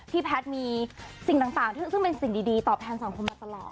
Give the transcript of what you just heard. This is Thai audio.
แพทย์มีสิ่งต่างซึ่งเป็นสิ่งดีตอบแทนสังคมมาตลอด